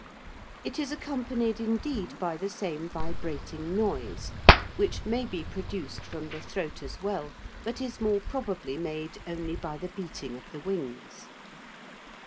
It is accompanied indeed by the same vibrating noise, which may be produced from the throat as well, but is more probably made only by the beating of the wings.